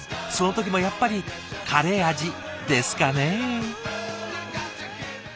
その時もやっぱりカレー味ですかね。